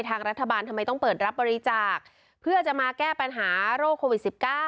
ทางรัฐบาลทำไมต้องเปิดรับบริจาคเพื่อจะมาแก้ปัญหาโรคโควิด๑๙